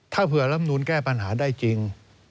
ถ้าเผื่อลำนูนแก้ปัญหาได้จริง